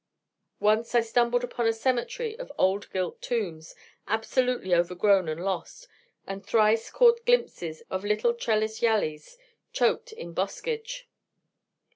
Once I stumbled upon a cemetery of old gilt tombs, absolutely overgrown and lost, and thrice caught glimpses of little trellised yalis choked in boscage.